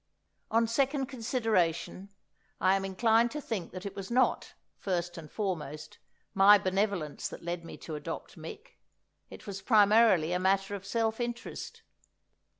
On second consideration, I am inclined to think that it was not, first and foremost, my benevolence that led me to adopt Mick: it was primarily a matter of self interest!